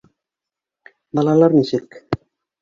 Балалар нисек?